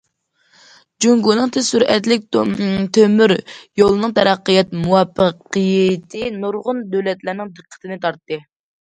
جۇڭگونىڭ تېز سۈرئەتلىك تۆمۈر يولىنىڭ تەرەققىيات مۇۋەپپەقىيىتى نۇرغۇن دۆلەتلەرنىڭ دىققىتىنى تارتتى.